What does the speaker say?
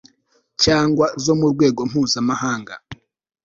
cyangwa zo mu rwego mpuzamahanga